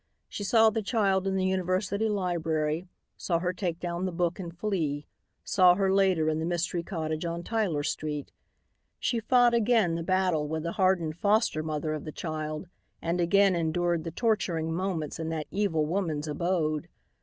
She saw the child in the university library, saw her take down the book and flee, saw her later in the mystery cottage on Tyler street. She fought again the battle with the hardened foster mother of the child and again endured the torturing moments in that evil woman's abode.